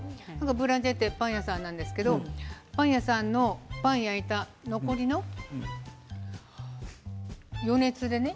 ブーランジェってパン屋さんなんですけど、パン屋さんのパンを焼いた残りの余熱でね